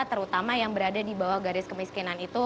terutama yang berada di bawah garis kemiskinan itu